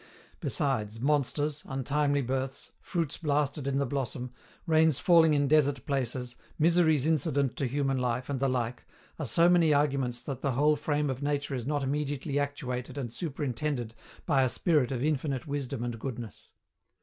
Besides, monsters, untimely births, fruits blasted in the blossom, rains falling in desert places, miseries incident to human life, and the like, are so many arguments that the whole frame of nature is not immediately actuated and superintended by a Spirit of infinite wisdom and goodness.